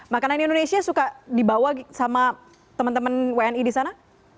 makanan indonesia suka dibawa sama teman teman wni di sana